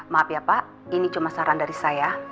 maaf ya pak ini cuma saran dari saya